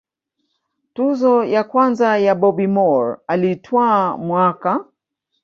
tuzo ya kwanza ya Bobby Moore alitwaa mwaka